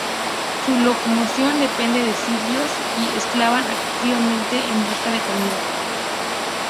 Su locomoción depende de cilios, y excavan activamente en busca de comida.